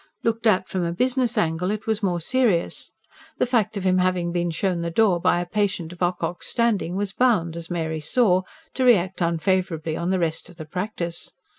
Looked at from a business angle it was more serious. The fact of him having been shown the door by a patient of Ocock's standing was bound, as Mary saw, to react unfavourably on the rest of the practice.